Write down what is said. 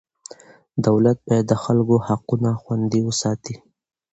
دولت باید د خلکو حقونه خوندي وساتي.